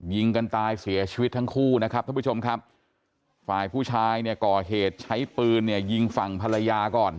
ยิงกันตายเสียชีวิตทั้งคู่นะครับท่านผู้ชมครับฝ่ายผู้ชายเนี่ยก่อเหตุใช้ปืนเนี่ยยิงฝั่งภรรยาก่อน